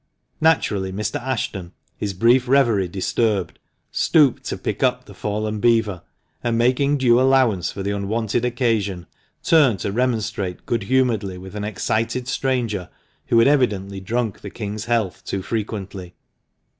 Naturally Mr. Ashton, his brief reverie disturbed, stooped to pick up the fallen beaver, and making due allowance for the unwonted occasion, turned to remonstrate good humouredly with an excited stranger who had evidently drunk the king's health too frequently.